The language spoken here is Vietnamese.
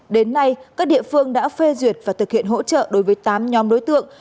đến nay các địa phương đã phê duyệt và thực hiện hỗ trợ đối với tám nhóm đối tượng